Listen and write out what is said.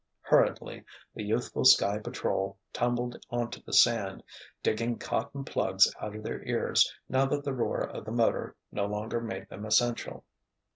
Hurriedly the youthful Sky Patrol tumbled onto the sand, digging cotton plugs out of their ears now that the roar of the motor no longer made them essential.